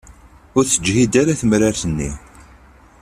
Ur teǧhid ara temrart-nni.